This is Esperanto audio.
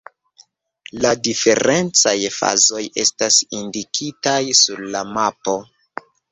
La diferencaj fazoj estas indikitaj sur la mapo.